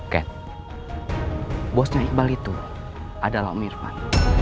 kat bosnya iqbal itu adalah om irfan